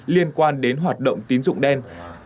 liên quan đến hoạt động tín dụng đen